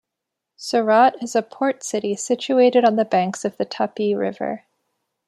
Surat is a port city situated on the banks of the Tapi river.